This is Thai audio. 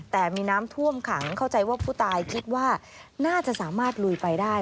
แต่มีน้ำท่วมขังเข้าใจว่าผู้ตายคิดว่าน่าจะสามารถลุยไปได้